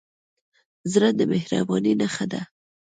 زړه د مهربانۍ نښه ده.